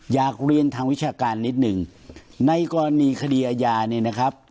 อยากเรียนทางวิชาการนิดหนึ่งในกรณีคดีอาญาเนี่ยนะครับ